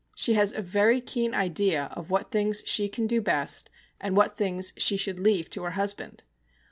She has a very keen idea of what things she can do best, and what things she should leave to her husband.